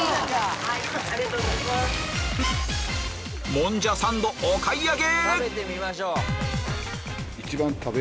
もんじゃサンドお買い上げ！